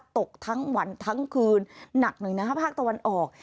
ตกทั้งวันทั้งคืนหนักหน่อยนะฮะภาคตะวันออก